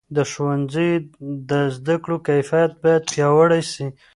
د ښوونځیو د زده کړو کیفیت باید پیاوړی سي.